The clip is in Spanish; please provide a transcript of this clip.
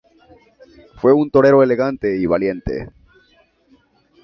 Fue un torero elegante y valiente.